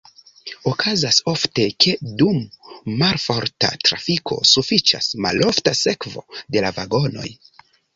Okazas ofte, ke dum malforta trafiko sufiĉas malofta sekvo de la vagonoj.